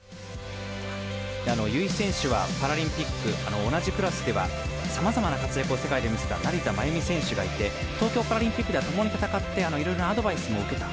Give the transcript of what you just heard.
由井選手はパラリンピック同じクラスではさまざまな活躍を世界で見せた成田真由美選手がいて東京パラリンピックではともに戦ってアドバイスを受けた。